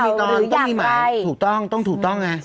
มีนอนต้องมีหมาถูกต้องต้องถูกต้องไง